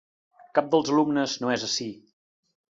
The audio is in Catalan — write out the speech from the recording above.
Cap dels alumnes no és ací.